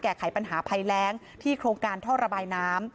แก้ไขปัญหาภัยแรงที่โครงการท่อระบายน้ำ